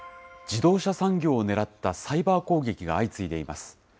自動車産業をねらったサイバー攻撃が相次いでいます。